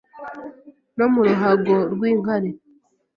no mu ruhago rw’inkari